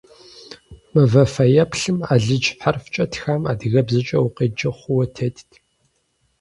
Мывэ фэеплъым алыдж хьэрфкӏэ тхам адыгэбзэкӏэ укъеджэ хъууэ тетт.